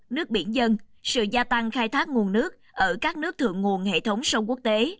nước biển dân sự gia tăng khai thác nguồn nước ở các nước thượng nguồn hệ thống sông quốc tế